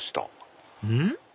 うん？